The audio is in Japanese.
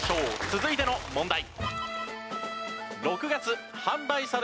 続いての問題。